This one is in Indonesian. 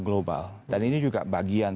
global dan ini juga bagian